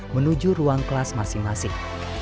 menuju ruang kelas masing masing